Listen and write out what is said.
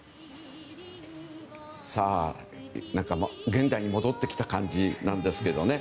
現代に戻ってきた感じなんですけどね。